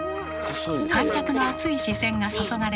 観客の熱い視線が注がれます。